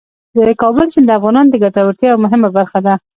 د کابل سیند د افغانانو د ګټورتیا یوه مهمه برخه ده.